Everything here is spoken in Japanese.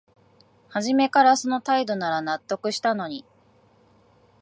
はじめからその態度なら納得したのに